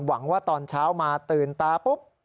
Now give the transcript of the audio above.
หวังว่าตอนเช้ามาตื่นตาปุ๊บ